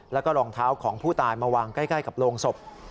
แล้วก็รองเท้าของผู้ตายมาวางใกล้กับโรงศพ